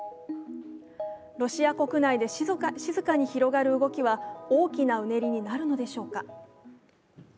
ロシア国内で静かに広がる動きは大きなうねりになるのでしょうか。